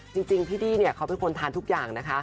จริงพี่ดี้เนี่ยเขาเป็นคนทานทุกอย่างนะคะ